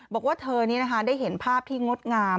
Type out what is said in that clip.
บอกว่าเธอนี้นะคะได้เห็นภาพที่งดงาม